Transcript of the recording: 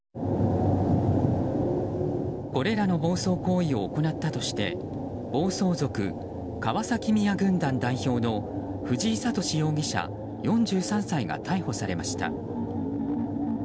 これらの暴走行為を行ったとして暴走族・川崎宮軍団代表の藤井敏容疑者、４３歳が逮捕されました。